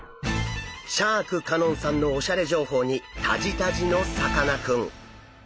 シャーク香音さんのおしゃれ情報にタジタジのさかなクン。